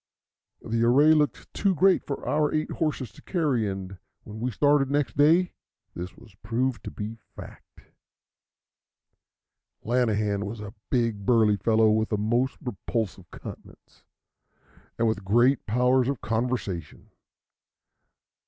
The array looked too great for our eight horses to carry, and when we started next day this proved to be the fact. Lanahan was a big burly fellow with a most repulsive countenance and with great powers of conversation.